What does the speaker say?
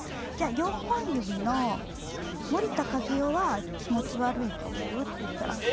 「じゃあ４本指の森田かずよは気持ち悪いと思う？」って言ったら。